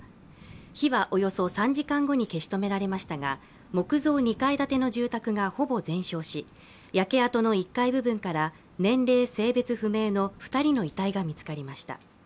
火はおよそ３時間後に消し止められましたが、木造２階建ての住宅がほぼ全焼し、焼け跡の１階部分から年齢性別不明の２人の遺体が見つかりました。